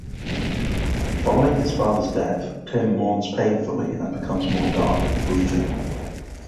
Following his father's death, Tim mourns painfully and becomes more dark and brooding.